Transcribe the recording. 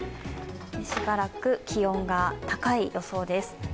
しばらく気温が高い予想です。